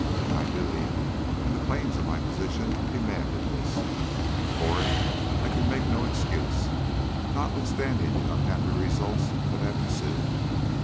My duty and the claims of my position demanded this, and for it I can make no excuse, notwithstanding the unhappy results that have ensued.